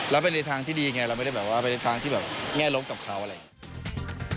แล้วไปในทางที่ดีไงเราไม่ได้แบบว่าไปในทางที่แบบแง่ลบกับเขาอะไรอย่างนี้